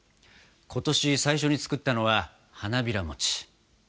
今年最初に作ったのは花びらもち。